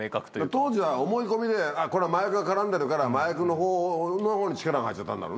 当時は思い込みで麻薬が絡んでるから麻薬のほうに力が入っちゃったんだろうね。